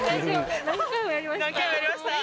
何回もやりました。